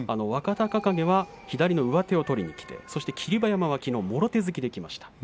若隆景は左の上手を取りにきてそして霧馬山、きのうもろ手突きできました。